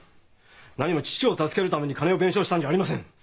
なにも父を助けるために金を弁償したんじゃありません。